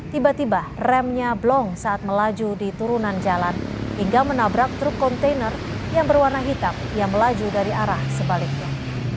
tiba tiba remnya blong saat melaju di turunan jalan hingga menabrak truk kontainer yang berwarna hitam yang melaju dari arah sebaliknya